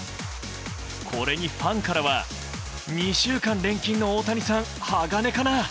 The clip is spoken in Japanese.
これにファンからは２週間連勤の大谷さん鋼かな。